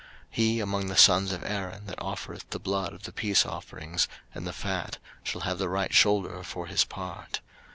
03:007:033 He among the sons of Aaron, that offereth the blood of the peace offerings, and the fat, shall have the right shoulder for his part.